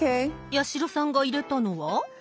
八代さんが入れたのは。